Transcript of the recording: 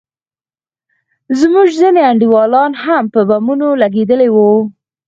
زموږ ځينې انډيوالان هم په بمونو لگېدلي وو.